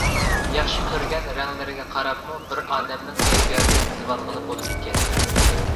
ياخشى كۆرگەن رەڭلىرىگە قاراپمۇ بىر ئادەمنىڭ كەيپىياتىنى بىلىۋالغىلى بولىدىكەن.